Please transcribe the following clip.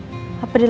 mungkin dia ke mobil